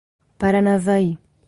Paranavaí